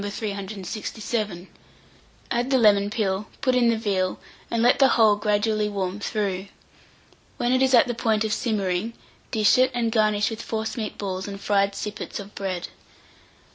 367; add the lemon peel, put in the veal, and let the whole gradually warm through. When it is at the point of simmering, dish it, and garnish with forcemeat balls and fried sippets of bread.